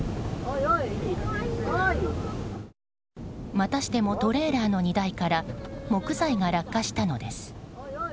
またしてもトレーラーの荷台から木材が落下したのです。